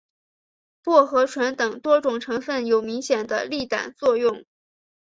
薄荷醇等多种成分有明显的利胆作用。